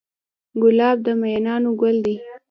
ګلاب د مینانو ګل دی.